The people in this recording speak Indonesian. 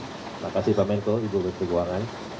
terima kasih pak menko ibu menteri keuangan